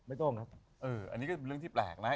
ต้มนะอันนี้ก็เป็นเรื่องที่แปลกนะ